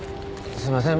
すいません。